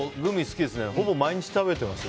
ほぼ毎日食べてます。